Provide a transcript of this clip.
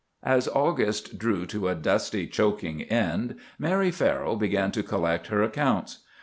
As August drew to a dusty, choking end, Mary Farrell began to collect her accounts.